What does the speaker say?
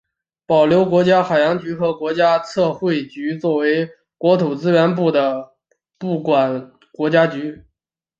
保留国家海洋局和国家测绘局作为国土资源部的部管国家局。